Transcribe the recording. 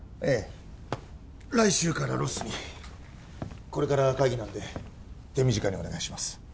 ええ来週からロスにこれから会議なんで手短にお願いします